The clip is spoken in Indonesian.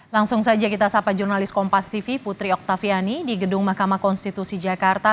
langsung saja kita sapa jurnalis kompas tv putri oktaviani di gedung mahkamah konstitusi jakarta